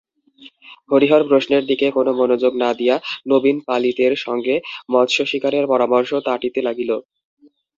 হরিহর প্রশ্নের দিকে কোন মনোযোগ না দিয়া নবীন পালিতের সঙ্গে মৎস্যশিকারের পরামর্শ তাঁটিতে লাগিল।